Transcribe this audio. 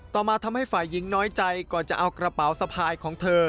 ต่อมาทำให้ฝ่ายหญิงน้อยใจก่อนจะเอากระเป๋าสะพายของเธอ